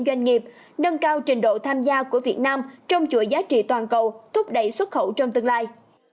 doanh nghiệp nâng cao trình độ tham gia của việt nam trong chuỗi giá trị toàn cầu thúc đẩy xuất khẩu trong tương lai